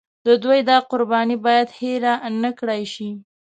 د دوی دا قرباني باید هېره نکړای شي.